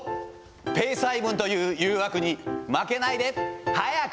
ペース配分という誘惑に負けないで、速く。